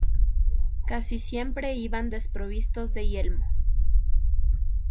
Casi siempre iban desprovistos de yelmo.